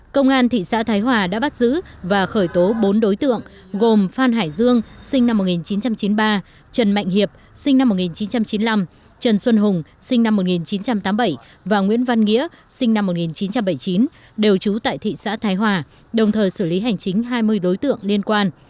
công an thị xã thái hòa đã bắt giữ và khởi tố bốn đối tượng gồm phan hải dương sinh năm một nghìn chín trăm chín mươi ba trần mạnh hiệp sinh năm một nghìn chín trăm chín mươi năm trần xuân hùng sinh năm một nghìn chín trăm tám mươi bảy và nguyễn văn nghĩa sinh năm một nghìn chín trăm bảy mươi chín đều trú tại thị xã thái hòa đồng thời xử lý hành chính hai mươi đối tượng liên quan